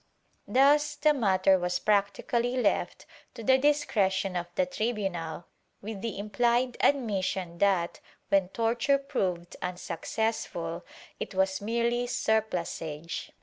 ^ Thus the matter was practically left to the discretion of the tribunal, with the implied admission that, when torture proved unsuccessful, it was merely surplusage.